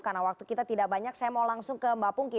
karena waktu kita tidak banyak saya mau langsung ke mbak pungki